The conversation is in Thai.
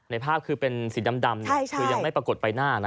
ภาพคือเป็นสีดำคือยังไม่ปรากฏใบหน้านะ